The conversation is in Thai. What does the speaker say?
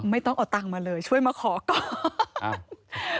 ไม่ต้องเอาตังค์มาเลยช่วยมาขอก่อน